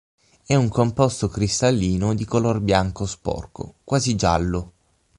È un composto cristallino di color bianco sporco, quasi giallo.